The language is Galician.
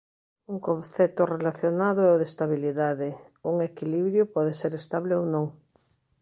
Un concepto relacionado é o de estabilidade; un equilibrio pode ser estable ou non.